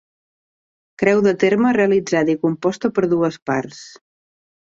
Creu de terme realitzada i composta per dues parts.